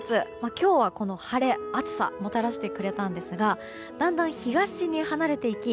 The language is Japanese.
今日は晴れ、暑さをもたらしてくれたんですがだんだん東に、離れていき